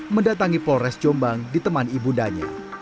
mendatangi polres jombang di teman ibu danya